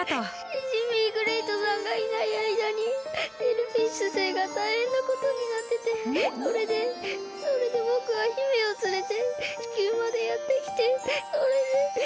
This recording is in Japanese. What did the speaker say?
シジミーグレイトさんがいないあいだにシェルフィッシュ星がたいへんなことになっててそれでそれでぼくは姫をつれて地球までやってきてそれで。